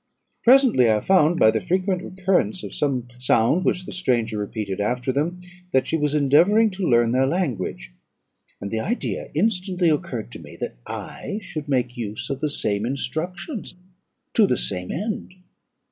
Presently I found, by the frequent recurrence of some sound which the stranger repeated after them, that she was endeavouring to learn their language; and the idea instantly occurred to me, that I should make use of the same instructions to the same end.